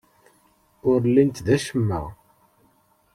Ur llint d acemma.